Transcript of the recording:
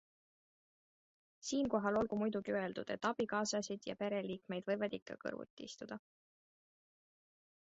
Siinkohal olgu muidugi öeldud, et abikaasasid ja pereliikmed võivad ikka kõrvuti istuda.